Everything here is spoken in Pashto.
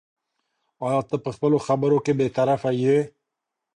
ایا ته په خپلو خبرو کې بې طرفه یې؟